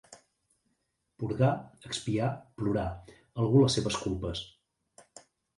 Purgar, expiar, plorar, algú les seves culpes.